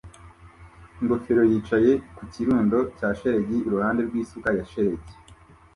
'ingofero yicaye ku kirundo cya shelegi iruhande rw'isuka ya shelegi